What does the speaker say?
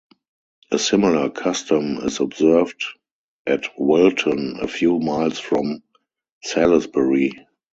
A similar custom is observed at Wilton a few miles from Salisbury.